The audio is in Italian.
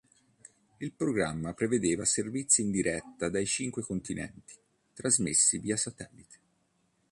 Il programma prevedeva servizi in diretta dai cinque continenti, trasmessi via satellite.